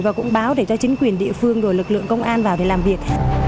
và cũng báo để cho chính quyền địa phương rồi lực lượng công an vào để làm việc